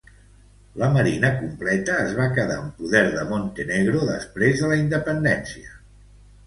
La marina completa va quedar en poder de Montenegro després de la independència.